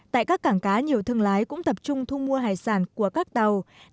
tại các cảng cá nhiều thương lái cũng tập trung thu mua hải sản của các tàu